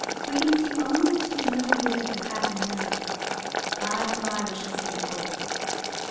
We can see only such a little bit of the pattern now. By and by we shall see the whole."